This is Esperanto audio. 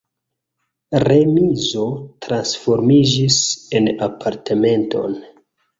Remizo transformiĝis en apartamenton.